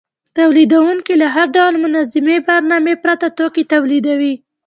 تولیدونکي له هر ډول منظمې برنامې پرته توکي تولیدوي